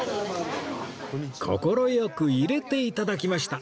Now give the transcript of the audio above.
快く入れて頂きました。